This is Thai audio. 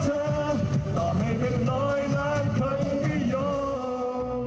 ต่อให้เป็นหน่อยหลายครั้งไม่ยอม